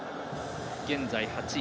現在８位。